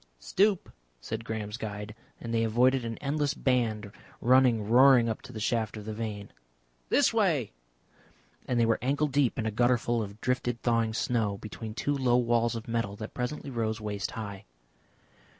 "Stoop," said Graham's guide, and they avoided an endless band running roaring up to the shaft of the vane. "This way!" and they were ankle deep in a gutter full of drifted thawing snow, between two low walls of metal that presently rose waist high.